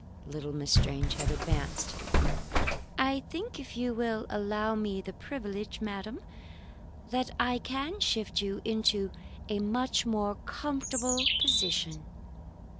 Little Miss Strange had advanced. "I think, if you will allow me the privilege, madam, that I can shift you into a much more comfortable position."